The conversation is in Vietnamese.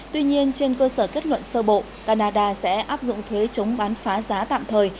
tuy nhiên trên cơ sở kết luận sơ bộ canada sẽ áp dụng thuế chống bán phá giá tạm thời